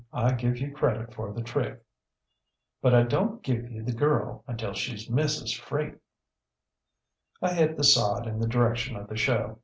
I give you credit for the trick. But I donŌĆÖt give you the girl until sheŌĆÖs Mrs. Freak.ŌĆÖ ŌĆ£I hit the sod in the direction of the show.